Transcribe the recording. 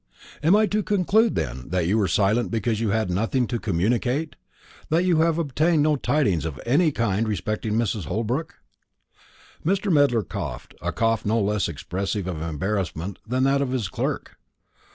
"Am I to conclude, then, that you were silent because you had nothing to communicate? that you have obtained no tidings of any kind respecting Mrs. Holbrook?" Mr. Medler coughed; a cough no less expressive of embarrassment than that of his clerk.